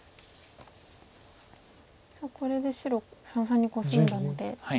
さあこれで白三々にコスんだので。